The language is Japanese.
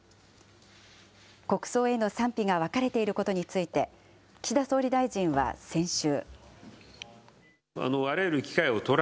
国葬への賛否が分かれていることについて、岸田総理大臣は先週。